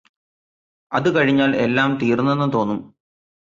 അതുകഴിഞ്ഞാല് എല്ലാം തീര്ന്നെന്നും തോന്നും